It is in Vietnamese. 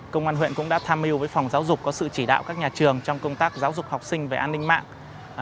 công an huyện cũng đã tham mưu với phòng giáo dục có sự chỉ đạo các nhà trường trong công tác giáo dục học sinh về an ninh mạng